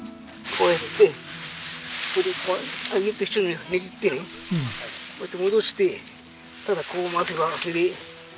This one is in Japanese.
こうやって一緒にねじってこうやって戻してただこう回せばそれで。